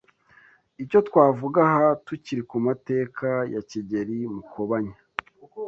Icyo twavuga aha, tukiri ku mateka ya Kigeli Mukobanya